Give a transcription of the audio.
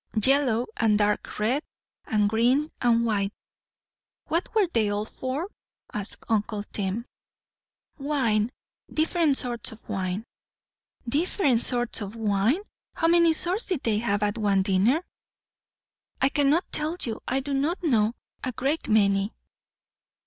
"Yellow, and dark red, and green, and white." "What were they all for?" asked uncle Tim. "Wine; different sorts of wine." "Different sorts o' wine! How many sorts did they have, at one dinner?" "I cannot tell you. I do not know. A great many."